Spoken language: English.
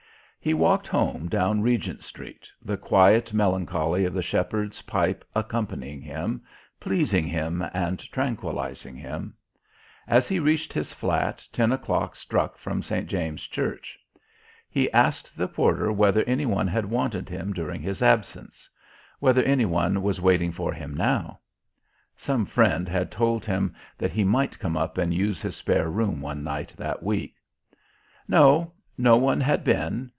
He walked home down Regent Street, the quiet melancholy of the shepherd's pipe accompanying him, pleasing him and tranquillizing him. As he reached his flat ten o'clock struck from St. James' Church. He asked the porter whether any one had wanted him during his absence whether any one was waiting for him now (some friend had told him that he might come up and use his spare room one night that week). No, no one had been.